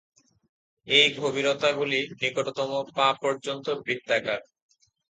এই গভীরতাগুলি নিকটতম পা পর্যন্ত বৃত্তাকার।